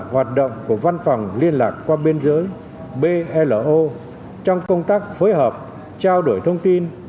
hoạt động của văn phòng liên lạc qua biên giới bloo trong công tác phối hợp trao đổi thông tin